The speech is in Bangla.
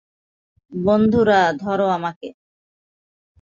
বন্ধুরা ধরো আমাকে।